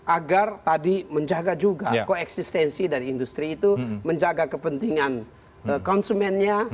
agar tadi menjaga juga koeksistensi dari industri itu menjaga kepentingan konsumennya